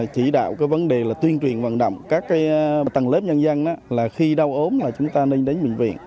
chỉ đạo cái vấn đề là tuyên truyền vận động các tầng lớp nhân dân là khi đau ốm là chúng ta nên đến bệnh viện